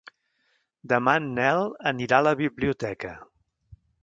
Demà en Nel anirà a la biblioteca.